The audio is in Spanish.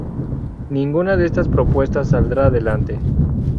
Ninguna de estas propuestas saldrá adelante.